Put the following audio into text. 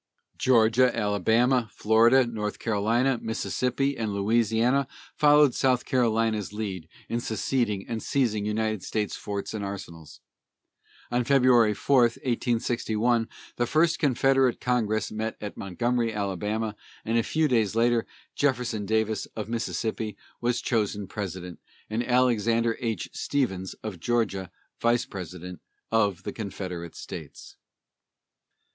Georgia, Alabama, Florida, North Carolina, Mississippi, and Louisiana followed South Carolina's lead in seceding and seizing United States forts and arsenals. On February 4, 1861, the first Confederate congress met at Montgomery, Ala., and a few days later, Jefferson Davis, of Mississippi, was chosen President, and Alexander H. Stephens, of Georgia, Vice President, of the Confederate States.